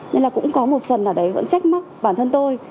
nên là cũng có một phần ở đấy vẫn trách mắc bản thân tôi